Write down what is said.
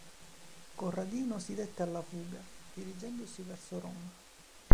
Corradino si dette alla fuga, dirigendosi verso Roma.